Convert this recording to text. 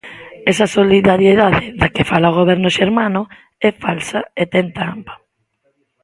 Esa solidariedade da que fala o Goberno xermano é falsa e ten trampa.